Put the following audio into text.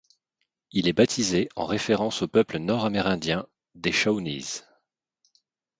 Il est baptisé en référence au peuple nord-amérindien des Shawnees.